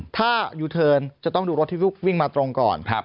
ถ้ายูเทิร์นจะต้องดูรถที่วิ่งมาตรงก่อน